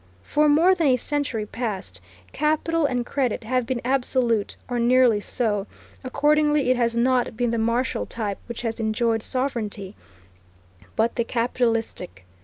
For more than a century past, capital and credit have been absolute, or nearly so; accordingly it has not been the martial type which has enjoyed sovereignty, but the capitalistic.